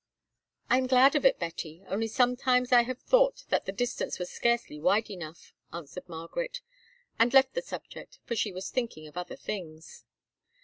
"I am glad of it, Betty, only sometimes I have thought that the distance was scarcely wide enough," answered Margaret, and left the subject, for she was thinking of other things.